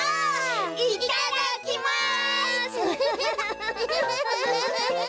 いっただっきます！